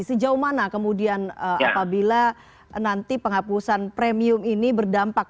sejauh mana kemudian apabila nanti penghapusan premium ini berdampak